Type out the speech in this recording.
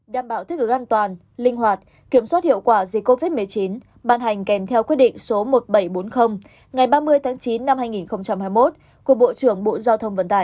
đảm bảo thích ứng an toàn linh hoạt kiểm soát hiệu quả dịch covid một mươi chín ban hành kèm theo quyết định số một nghìn bảy trăm bốn mươi ngày ba mươi tháng chín năm hai nghìn hai mươi một của bộ trưởng bộ giao thông vận tải